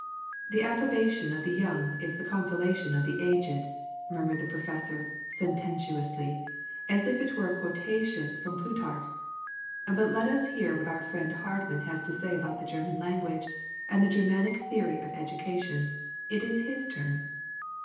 "The approbation of the young is the consolation of the aged," murmured the professor sententiously, as if it were a quotation from Plutarch. "But let us hear what our friend Hardman has to say about the German language and the Germanic theory of education. It is his turn.